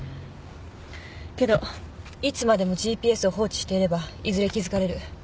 けどいつまでもＧＰＳを放置していればいずれ気付かれる。